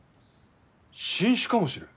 新種かもしれん。